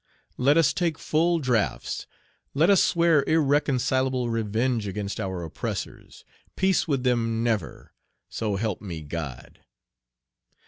let us take full draughts; let us swear irreconcilable revenge against our oppressors; peace with them, never, so help me God!"